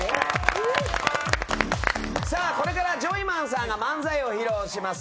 これからジョイマンさんが漫才を披露します。